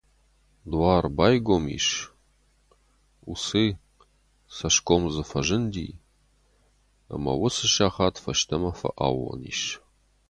Дуар байгом ис, усы цӕсгом дзы фӕзынди, ӕмӕ уыцы сахат фӕстӕмӕ фӕаууон ис.